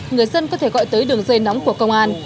người dân có thể gọi tới đường dây nóng của công an